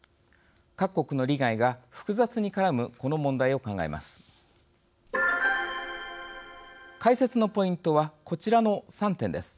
各国の利害が複雑に絡むこの問題を考えます。